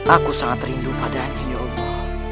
aku sangat rindu padanya ya allah